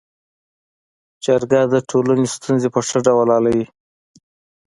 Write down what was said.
جرګه د ټولني ستونزي په ښه ډول حلوي.